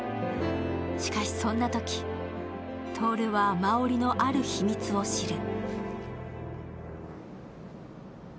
しかし、そんなとき、透は真織のある秘密を知る。